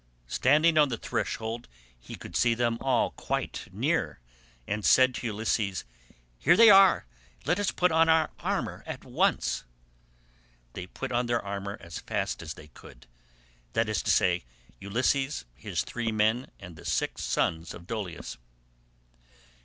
Standing on the threshold he could see them all quite near, and said to Ulysses, "Here they are, let us put on our armour at once." They put on their armour as fast as they could—that is to say Ulysses, his three men, and the six sons of Dolius.